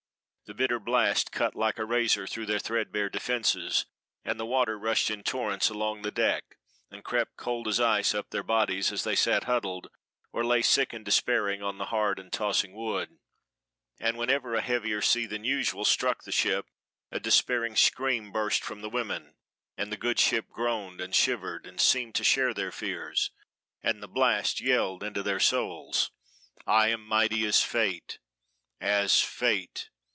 The bitter blast cut like a razor through their threadbare defenses, and the water rushed in torrents along the deck and crept cold as ice up their bodies as they sat huddled, or lay sick and despairing on the hard and tossing wood; and whenever a heavier sea than usual struck the ship a despairing scream burst from the women, and the good ship groaned and shivered and seemed to share their fears, and the blast yelled into their souls, "I am mighty as fate as fate.